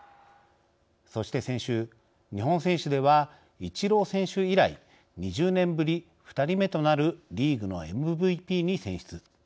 そして先週日本選手ではイチロー選手以来２０年ぶり２人目となるリーグのＭＶＰに選出。